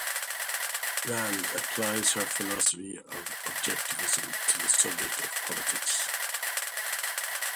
Rand applies her philosophy of Objectivism to the subject of politics.